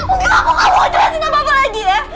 enggak aku gak mau ngerjain apa apa lagi ya